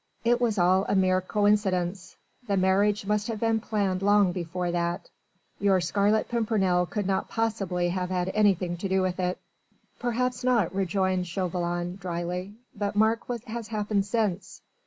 "It was all a mere coincidence ... the marriage must have been planned long before that ... your Scarlet Pimpernel could not possibly have had anything to do with it." "Perhaps not," rejoined Chauvelin drily. "But mark what has happened since.